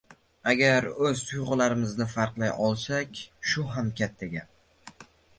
Agar o‘z tuyg‘ularimizni farqlay olsak shu ham katta gap.